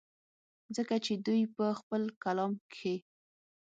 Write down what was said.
ځکه چې دوي پۀ خپل کلام کښې